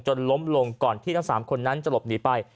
ล้มลงก่อนที่ทั้ง๓คนนั้นจะหลบหนีไป